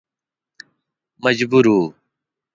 مجبور و.